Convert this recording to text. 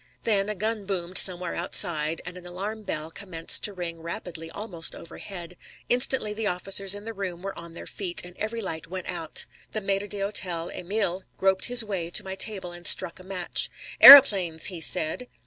Then a gun boomed somewhere outside, and an alarm bell commenced to ring rapidly almost overhead. Instantly the officers in the room were on their feet, and every light went out. The maître d'hôtel, Emil, groped his way to my table and struck a match. "Aëroplanes!" he said.